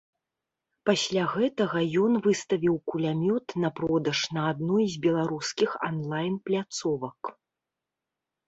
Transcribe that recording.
Пасля гэтага ён выставіў кулямёт на продаж на адной з беларускіх анлайн-пляцовак.